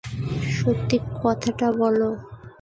সত্যি কথাটাই বলো।